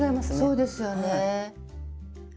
そうですよね。